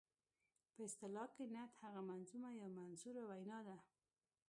په اصطلاح کې نعت هغه منظومه یا منثوره وینا ده.